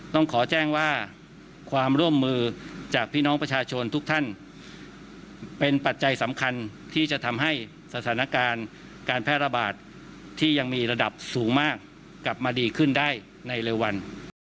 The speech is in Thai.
ต้องขอแจ้งว่าความร่วมมือจากพี่น้องประชาชนทุกท่านเป็นปัจจัยสำคัญที่จะทำให้สถานการณ์การแพร่ระบาดที่ยังมีระดับสูงมากกลับมาดีขึ้นได้ในเร็ววัน